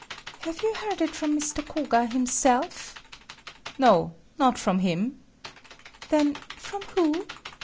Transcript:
"Have you heard it from Mr. Koga himself?" "No, not from him." "Then, from who?"